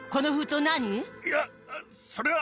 いや、それは。